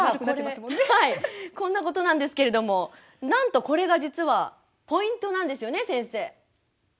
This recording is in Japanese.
こんなことなんですけれどもなんとこれが実はポイントなんですよね先生。